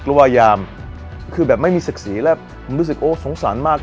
ว่ายามคือแบบไม่มีศักดิ์ศรีแล้วรู้สึกโอ้สงสารมาก